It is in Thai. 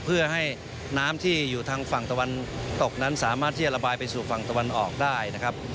เพื่อให้น้ำที่อยู่ทางฝั่งตะวันตกนั้นสามารถที่จะระบายไปสู่ฝั่งตะวันออกได้นะครับ